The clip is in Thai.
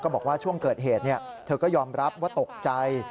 บอกว่าช่วงเกิดเหตุเธอก็ยอมรับว่าตกใจ